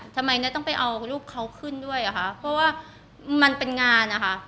ทำไมเนี่ยต้องไปเอาลูกเขาขึ้นด้วยอ่ะคะเพราะว่ามันเป็นงานนะคะ